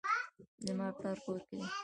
زما پلار کور کې دی